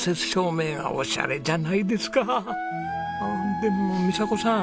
でも美佐子さん